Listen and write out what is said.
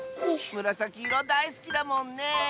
むらさきいろだいすきだもんね！